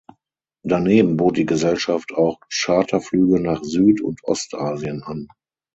Daneben bot die Gesellschaft auch Charterflüge nach Süd- und Ostasien an.